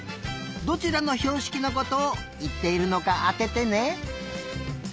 どちらのひょうしきのことをいっているのかあててね。